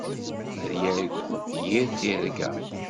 Ad yargu yir tirga.